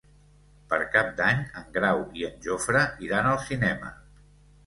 Per Cap d'Any en Grau i en Jofre iran al cinema.